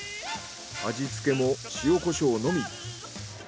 味付けも塩コショウのみ。